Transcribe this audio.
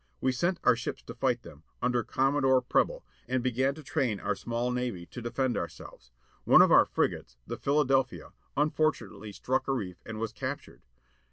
We sent our ships to fight them, under Commodore Preble, and began to train ovtr small navy to defend ourselves. One of our frigates, the Philadelphia, imfortunately struck a reef and was captured.